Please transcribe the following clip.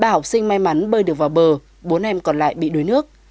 ba học sinh may mắn bơi được vào bờ bốn em còn lại bị đuối nước